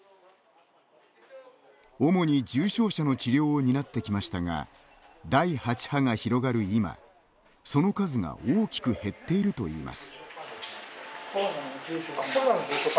主に重症者の治療を担ってきましたが第８波が広がる今、その数が大きく減っているといいます。